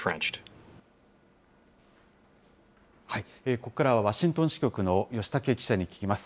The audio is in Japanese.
ここからはワシントン支局の吉武記者に聞きます。